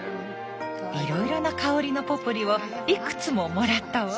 いろいろな香りのポプリをいくつももらったわ。